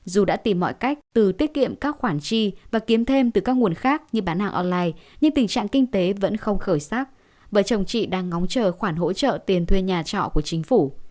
dù đã tìm mọi cách từ tiết kiệm các khoản chi và kiếm thêm từ các nguồn khác như bán hàng online nhưng tình trạng kinh tế vẫn không khởi sắc vợ chồng chị đang ngóng chờ khoản hỗ trợ tiền thuê nhà trọ của chính phủ